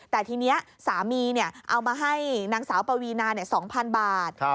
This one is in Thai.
แต่ทีนี้สามีเอามาให้นางสาวปวีนา๒๐๐๐บาท